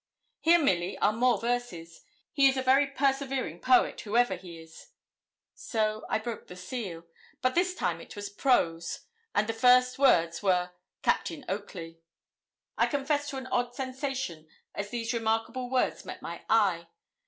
'Here, Milly, are more verses. He is a very persevering poet, whoever he is.' So I broke the seal; but this time it was prose. And the first words were 'Captain Oakley!' I confess to an odd sensation as these remarkable words met my eye.